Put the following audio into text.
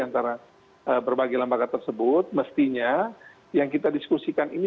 antara berbagai lembaga tersebut mestinya yang kita diskusikan ini